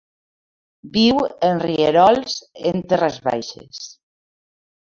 Viu en rierols en terres baixes.